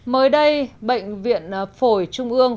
mới đây bệnh viện phổi trung ương